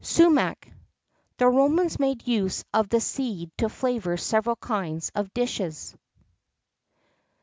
BOSC. SUMACH. The Romans made use of the seed to flavour several kinds of dishes.